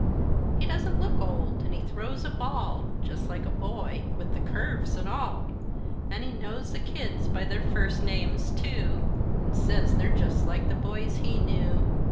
He doesn't look old, an' he throws a ball, Just like a boy, with the curves an' all, An' he knows the kids by their first names, too, An' says they're just like the boys he knew.